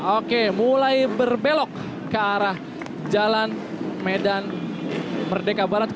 oke mulai berbelok ke arah jalan medan merdeka barat